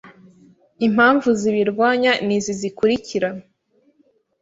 Impamvu zibirwanya nizi zikurikira.